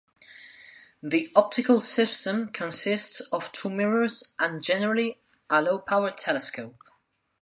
The optical system consists of two mirrors and, generally, a low power telescope.